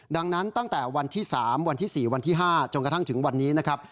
ดังนั้นตั้งแต่วันที่๓วันที่๔วันที่๕จนกระทั่งถึงวันนี้นะครับ